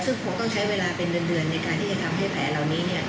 ซึ่งคงต้องใช้เวลาเป็นเดือนในการที่จะทำให้แผลเหล่านี้